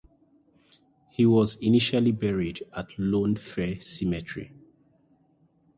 He was initially buried at Lone Fir Cemetery.